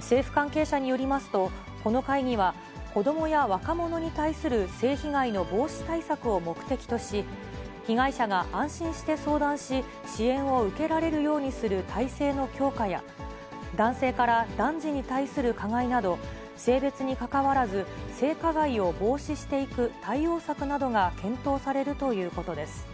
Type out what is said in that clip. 政府関係者によりますと、この会議は、子どもや若者に対する性被害の防止対策を目的とし、被害者が安心して相談し、支援を受けられるようにする体制の強化や、男性から男児に対する加害など、性別にかかわらず性加害を防止していく対応策などが検討されるということです。